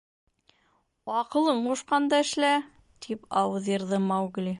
— Аҡылың ҡушҡанды эшлә, — тип ауыҙ йырҙы Маугли.